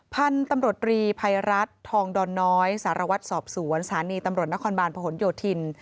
พันธุ์ตำรวจรีภัยรัฐทองดอนน้อยสารวัตรสอบสวนสถานีตำรวจนครบาลพหนโยธิน